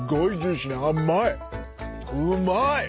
うまい！